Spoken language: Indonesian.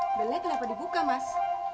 nih belek lah apa dibuka mas